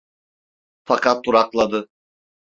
Fakat durakladı.